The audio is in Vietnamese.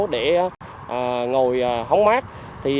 để ngồi hóng mát